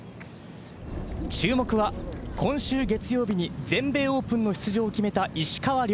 注目は今週月曜日に全米オープンの出場を決めた石川遼。